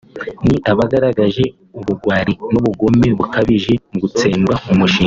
Ni abagaragaje ubugwari n’ubugome bukabije mu gutsemba umushinga